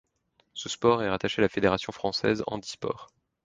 Ce sport est rattaché à la Fédération Française Handisport.